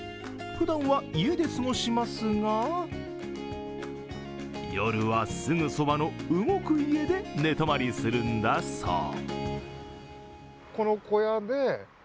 ふだんは家で過ごしますが、夜は、すぐそばの動く家で寝泊まりするんだそう。